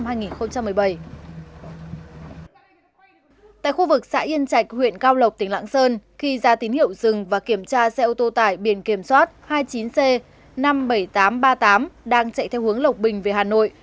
tại khu vực xã yên chạch huyện cao lộc tỉnh lạng sơn khi ra tín hiệu dừng và kiểm tra xe ô tô tải biển kiểm soát hai mươi chín c năm mươi bảy nghìn tám trăm ba mươi tám đang chạy theo hướng lộc bình về hà nội